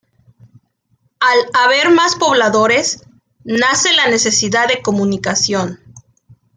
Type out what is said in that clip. Al haber más pobladores, nace la necesidad de comunicación.